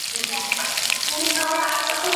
অনেকেই তার এ কথা মনেপ্রাণে বিশ্বাস করল।